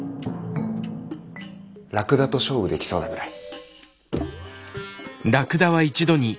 ラクダと勝負できそうなぐらい。